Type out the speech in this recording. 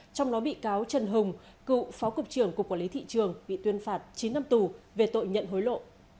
trong đó bị cáo trần hùng cựu phó cục trưởng cục quản lý thị trường bị tuyên phạt chín năm tù về tội nhận hối lộ